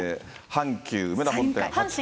阪急梅田本店８階。